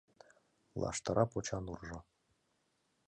Лаштыра почан уржо